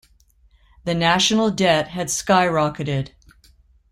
The national debt had skyrocketed.